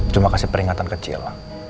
cuma kasih peringatan kecil